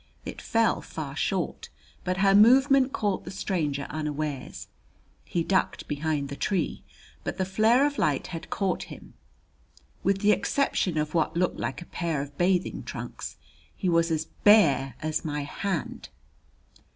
It fell far short, but her movement caught the stranger unawares. He ducked behind the tree, but the flare of light had caught him. With the exception of what looked like a pair of bathing trunks he was as bare as my hand!